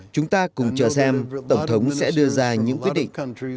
chúng ta cùng chờ xem tổng thống sẽ đưa ra những quyết định